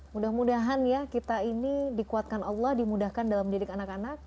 mudah mudahan ya kita ini dikuatkan allah dimudahkan dalam mendidik anak anak